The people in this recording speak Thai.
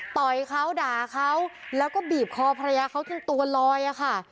ต่อยเขาด่าเขาแล้วก็บีบคอภรรยาเขาจนตัวลอยอะค่ะ